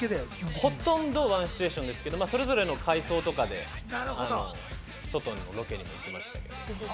ほとんどワンシチュエーションですけど、それぞれの回想とかで、外のロケにも行きました。